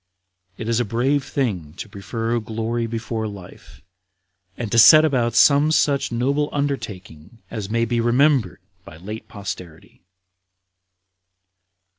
It is a brave thing to prefer glory before life, and to set about some such noble undertaking as may be remembered by late posterity."